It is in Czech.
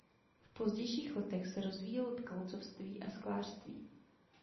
V pozdějších letech se rozvíjelo tkalcovství a sklářství.